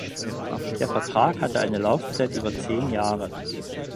Der Vertrag hat eine Laufzeit über zehn Jahre.